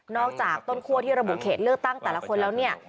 จากต้นคั่วที่ระบุเขตเลือกตั้งแต่ละคนแล้วเนี่ย